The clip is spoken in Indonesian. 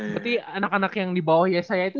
berarti anak anak yang dibawa yesaya itu